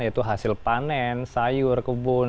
yaitu hasil panen sayur kebun